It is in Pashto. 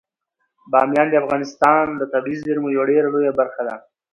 بامیان د افغانستان د طبیعي زیرمو یوه ډیره لویه برخه ده.